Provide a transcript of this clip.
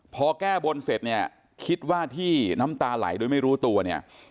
พอแก้บนเสร็จเนี่ยคิดว่าที่น้ำตาไหลโดยไม่รู้ตัวเนี่ย